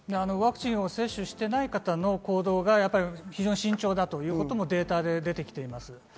接種していない方の行動が非常に慎重だということもデータで出ています。